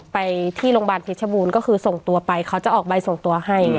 ไปที่โรงพยาบาลเพชรบูรณ์ก็คือส่งตัวไปเขาจะออกใบส่งตัวให้